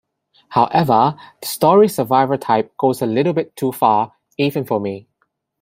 However, the story "Survivor Type" goes a little bit too far, even for me.